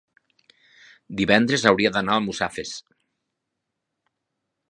Divendres hauria d'anar a Almussafes.